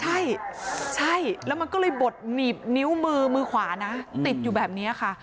ใช่ใช่แล้วมันก็เลยบดหนีบนิ้วมือมือขวานะติดอยู่แบบนี้ค่ะ